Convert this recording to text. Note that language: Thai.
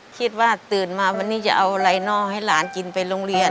คิดว่าตื่นมาวันนี้จะเอาไลนอลให้หลานกินไปโรงเรียน